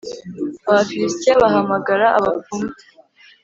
Abafilisitiya bahamagara abapfumu